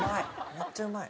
めっちゃうまい。